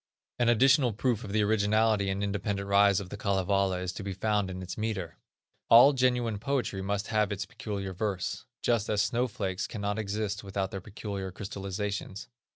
An additional proof of the originality and independent rise of the Kalevala is to be found in its metre. All genuine poetry must have its peculiar verse, just as snow flakes cannot exist without their peculiar crystalizations.